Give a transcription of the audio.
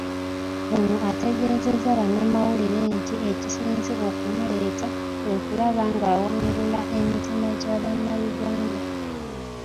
Ono ategeezezza bannamawulire nti ekisinze okumuleeta kwe kulaba ng'awangula emitima gya Bannayuganda.